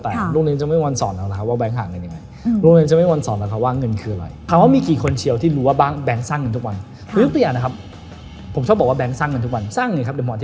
แต่โรงเรียนจะไม่มนต์สอนเราว่าแบงเอ์คห่างเงินยังไง